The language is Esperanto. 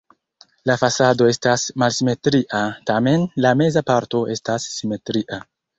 La fasado estas malsimetria, tamen la meza parto estas simetria.